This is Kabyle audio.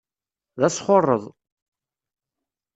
D asxuṛṛeḍ.